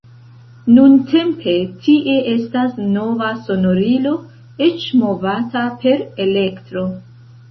Nuntempe tie estas nova sonorilo, eĉ movata per elektro.